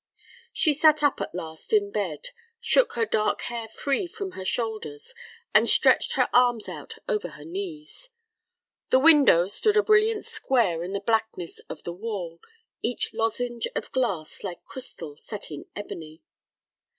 She sat up at last in bed, shook her dark hair free from her shoulders, and stretched her arms out over her knees. The window stood a brilliant square in the blackness of the wall, each lozenge of glass like crystal set in ebony.